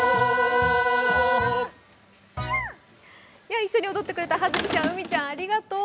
一緒に歌ってくれたはずきちゃん、うみちゃんありがとう。